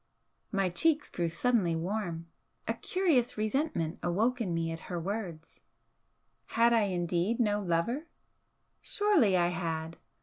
My cheeks grew suddenly warm. A curious resentment awoke in me at her words had I indeed no lover? Surely I had!